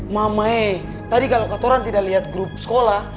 mamae tadi kalo katoran tidak lihat grup sekolah